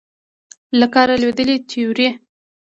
له کاره لوېدلې تیورۍ